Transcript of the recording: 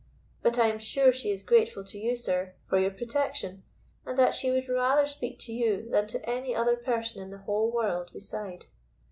But I am sure she is grateful to you, sir, for your protection, and that she would rather speak to you than to any other person in the whole world beside.